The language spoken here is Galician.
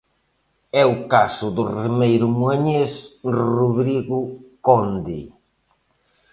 É o caso do remeiro moañés Rodrigo Conde.